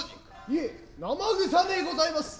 いえ生臭でございます。